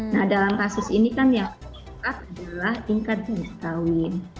nah dalam kasus ini kan yang penting adalah ingkat janji kawin